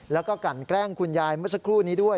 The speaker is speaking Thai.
แล้วก็กันแกล้งคุณยายเมื่อสักครู่นี้ด้วย